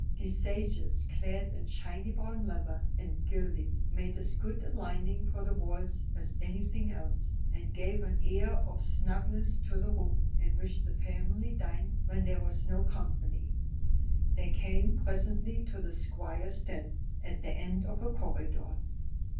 These sages, clad in shiny brown leather and gilding, made as good a lining for the walls as anything else, and gave an air of snugness to the room in which the family dined when there was no company. They came presently to the Squire's den, at the end of a corridor.